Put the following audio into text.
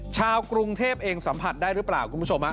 ชาวกรุงเทพเองสัมผัสได้หรือเปล่าคุณผู้ชม